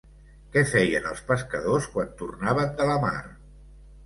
Què feien els pescadors quan tornaven de la mar?